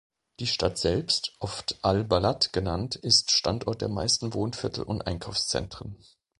Die Stadt selbst, oft „al-Balad“ genannt, ist Standort der meisten Wohnviertel und Einkaufszentren.